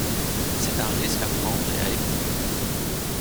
C'est un risque à prendre et à éprouver.